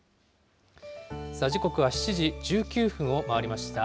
さあ、時刻は７時１９分を回りました。